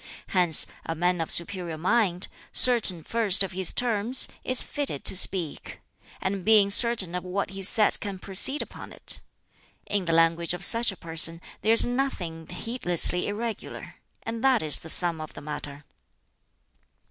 Hence, a man of superior mind, certain first of his terms, is fitted to speak; and being certain of what he says can proceed upon it. In the language of such a person there is nothing heedlessly irregular and that is the sum of the matter."